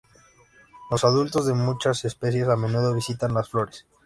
Los adultos de muchas especies a menudo visitan las flores.